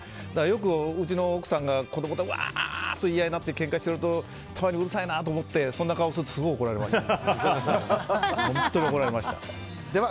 よく、うちの奥さんが子供とワーッと言い合いになってけんかしてるとたまにうるさいなって思ってそんな顔するとすごい怒られました。